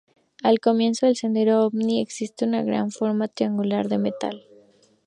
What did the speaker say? Al comienzo del sendero ovni, existe una gran forma triangular de metal.